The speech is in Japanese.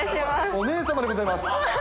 お姉様でございます。